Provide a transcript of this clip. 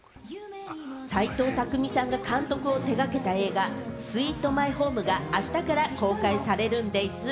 齊藤工さんが監督を手がけた映画『スイート・マイホーム』があしたから公開されるんでぃす。